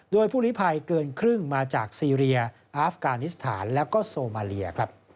โดยผู้ลิภัยเกินครึ่งมาจากซีเรียอาฟกานิสถานแล้วก็โซมาเลีย